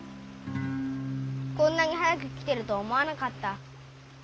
こんなに早く来てると思わなかった。